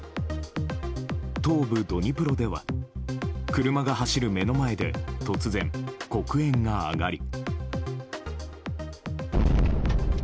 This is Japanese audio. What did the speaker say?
東部ドニプロでは車が走る目の前で突然、黒煙が上がり。